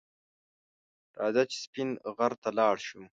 رځه چې سپین غر ته لاړ شو